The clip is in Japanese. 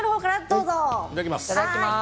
いただきます。